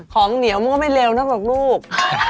ของเหนียวมันก็ไม่เร็วนะบอกลูก